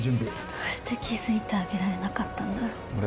どうして気づいてあげられなかったんだろう。